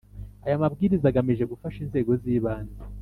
Aya mabwiriza agamije gufasha inzego z’ibanze